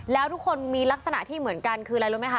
แล้วทุกคนมีลักษณะที่เหมือนกันคืออะไรรู้ไหมคะ